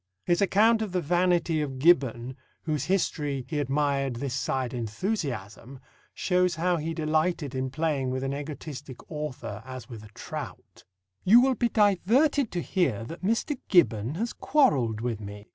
His account of the vanity of Gibbon, whose history he admired this side enthusiasm, shows how he delighted in playing with an egoistic author as with a trout: You will be diverted to hear that Mr. Gibbon has quarrelled with me.